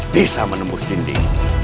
bisa menemus dinding